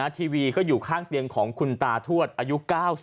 ทีวีก็อยู่ข้างเตียงของคุณตาทวดอายุ๙๐